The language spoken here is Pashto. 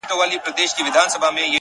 پرېږده چي نور په سره ناسور بدل سي!!